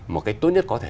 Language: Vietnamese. một cách tốt nhất có thể